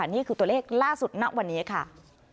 นี่คือตัวเลขล่าสุดณวันนี้ค่ะ